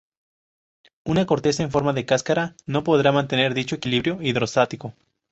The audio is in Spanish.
Una corteza en forma de "cáscara" no podría mantener dicho equilibrio hidrostático.